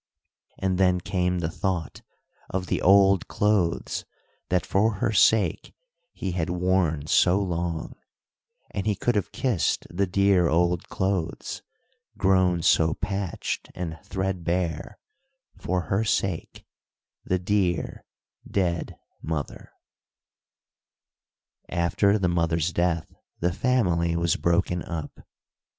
And then came the thought of the old clothes that, for her sake, he had worn so long, and he could have kissed the dear old clothes, grown so patched and threadbare, for her sake, the dear, dead mother. After the mother's death, the family was broken up.